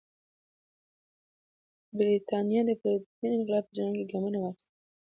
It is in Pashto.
برېټانیا د پرتمین انقلاب په جریان کې ګامونه واخیستل.